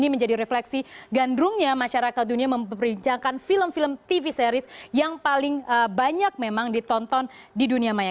ini menjadi refleksi gandrungnya masyarakat dunia memperinjakan film film tv series yang paling banyak memang ditonton di dunia maya